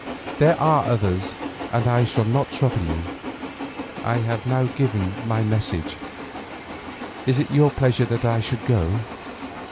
There are others, and I shall not trouble you. I have given my message, is it your pleasure that I should go?